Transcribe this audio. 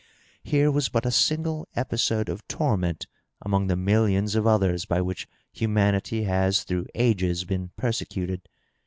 Here was but a single episode of torment among the millions of others by which humanity has through ages been persecuted.